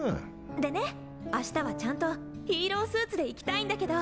でね明日はちゃんとヒーロースーツで行きたいんだけど。